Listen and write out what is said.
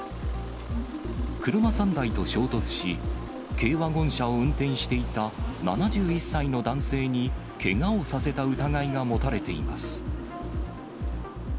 車３台と衝突し、軽ワゴン車を運転していた７１歳の男性に、けがをさせた疑いが持たれています。